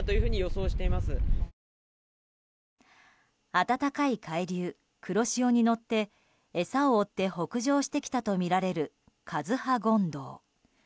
温かい海流、黒潮に乗って餌を追って北上してきたとみられる、カズハゴンドウ。